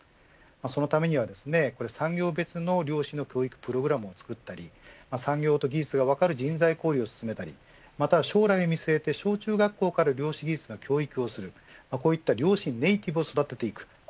そのためには産業別の量子の教育プログラムを作ったり産業と技術が分かる人材交流を進めたりまた将来を見据えて小中学校から量子技術の教育をするこういった量子ネイティブを育てていく。